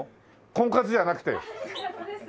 婚カツじゃなくて？